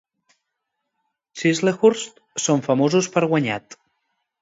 Chislehurst són famosos per guanyat.